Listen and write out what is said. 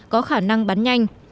có khả năng bán nhanh